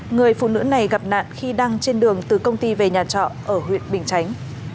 người phụ nữ này gặp nạn khi đang trên đường từ công ty về nhà trọ ở huyện bình chánh